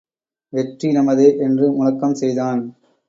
வெற்றி நமதே என்று முழக்கம் செய்தான்.